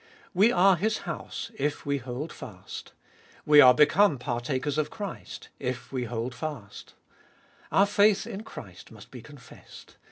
"We are His house, if we holdfast" "We are become partakers of Christ, if we holdfast" Our faith in Christ must be confessed.